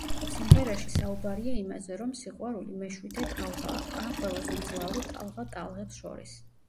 სიმღერაში საუბარია იმაზე, რომ სიყვარული მეშვიდე ტალღაა, ან ყველაზე მძლავრი ტალღა ტალღებს შორის.